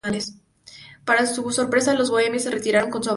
Para su sorpresa, los bohemios se retiraron con su avance.